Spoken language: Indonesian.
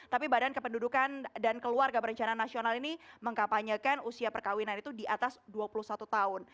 tapi badan kependudukan dan keluarga berencana nasional ini mengkapanyakan usia perkawinan itu di atas dua puluh satu tahun